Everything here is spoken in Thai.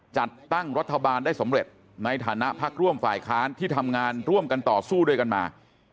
จัดตั้งรัฐบาลได้สำเร็จในฐานะพักร่วมฝ่ายค้านที่ทำงานร่วมกันต่อสู้ด้วยกันมา